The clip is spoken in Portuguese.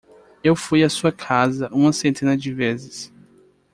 Eu fui a sua casa uma centena de vezes.